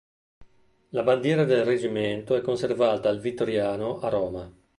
La bandiera del reggimento è conservata al Vittoriano a Roma.